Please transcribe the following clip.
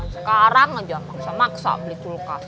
sekarang aja bangsa maksa beli kulkas